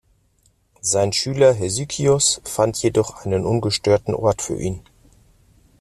Sein Schüler Hesychios fand jedoch einen ungestörten Ort für ihn.